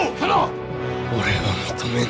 俺は認めぬ。